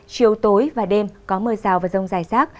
chiều tối và đêm có mưa rào và rông dài rác